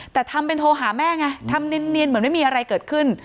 แต่ทำเป็นโทรหาแม่ไงทำเนียนเหมือนไม่มีอะไรเกิดขึ้น